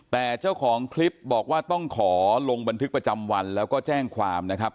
แต่เจ้าของคลิปบอกว่าต้องขอลงบันทึกประจำวันแล้วก็แจ้งความนะครับ